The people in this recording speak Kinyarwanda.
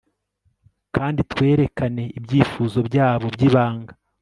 kandi twerekane ibyifuzo byabo byibanga